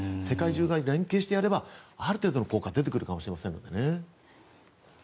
世界中が連携してやればある程度の効果は出てくるかもしれませんので。